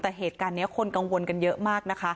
แต่เหตุการณ์คนกังวลกันเยอะมาก